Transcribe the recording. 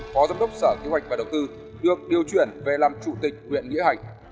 phó giám đốc sở kế hoạch và đầu tư được điều chuyển về làm chủ tịch huyện nghĩa hành